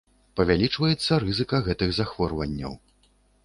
Павялічваецца рызыка гэтых захворванняў.